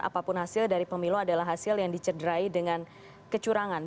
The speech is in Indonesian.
apapun hasil dari pemilu adalah hasil yang dicederai dengan kecurangan